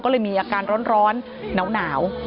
ก็เลยมีอาการร้อนหนาว